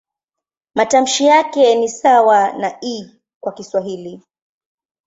Matamshi yake ni sawa na "i" kwa Kiswahili.